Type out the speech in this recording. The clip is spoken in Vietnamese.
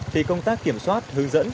thì công tác kiểm soát hướng dẫn